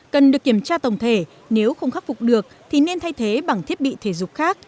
cần được kiểm tra tổng thể nếu không khắc phục được thì nên thay thế bằng thiết bị thể dục khác